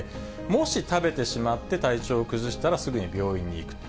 もし食べてしまって、体調を崩したら、すぐに病院に行くと。